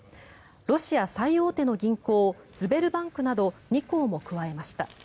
ロシア最大手の銀行ズベルバンクなど２行も加えました。